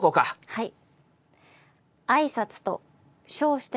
はい。